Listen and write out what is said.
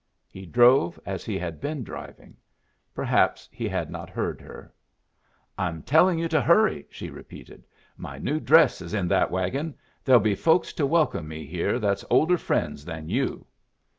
He drove as he had been driving. Perhaps he had not heard her. "I'm telling you to hurry," she repeated. "My new dress is in that wagon. There'll be folks to welcome me here that's older friends than you."